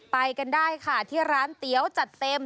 ไปกันได้ค่ะที่ร้านเตี๋ยวจัดเต็ม